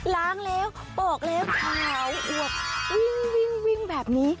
ล้างแล้วโปรกแล้วขาวอวกวิ่งแบบนี้